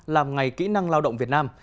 làm ngày kỹ năng lao động việt nam